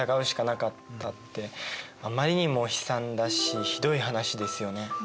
あまりにも悲惨だしひどい話ですよね。